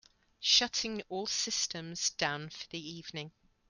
Shutting all systems down for the evening.